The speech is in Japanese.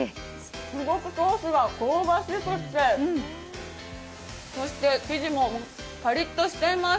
すごくソースが香ばしくて生地もパリッとしています。